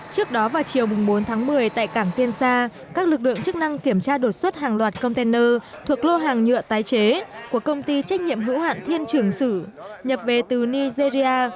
trước đó vào chiều bốn tháng một mươi tại cảng tiên sa các lực lượng chức năng kiểm tra đột xuất hàng loạt container thuộc lô hàng nhựa tái chế của công ty trách nhiệm hữu hạn thiên trường sử nhập về từ nigeria